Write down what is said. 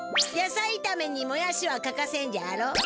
野菜いためにもやしはかかせんじゃろ？